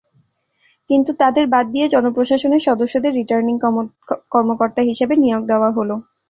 কিন্তু তাদের বাদ দিয়ে জনপ্রশাসনের সদস্যদের রিটার্নিং কর্মকর্তা হিসেবে নিয়োগ দেওয়া হলো।